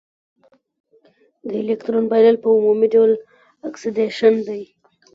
د الکترون بایلل په عمومي ډول اکسیدیشن دی.